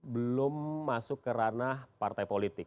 belum masuk ke ranah partai politik